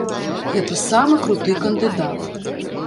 Гэта самы круты кандыдат.